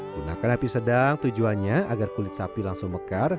gunakan api sedang tujuannya agar kulit sapi langsung mekar